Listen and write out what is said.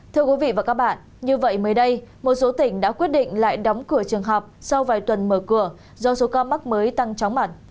thưa quý vị và các bạn như vậy mới đây một số tỉnh đã quyết định lại đóng cửa trường học sau vài tuần mở cửa do số ca mắc mới tăng chóng mặt